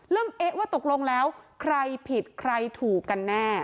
เอ๊ะว่าตกลงแล้วใครผิดใครถูกกันแน่